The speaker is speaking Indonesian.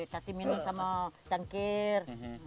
kasih minum sama cangkir